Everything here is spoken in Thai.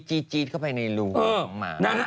ที่มันจี๊ดเข้าในลูกมา